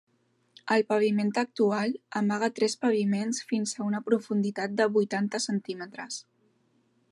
El paviment actual amaga tres paviments fins a una profunditat de vuitanta centímetres.